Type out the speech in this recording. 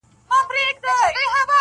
زۀ خداى ساتلمه چي نۀ راپرېوتم او تلمه-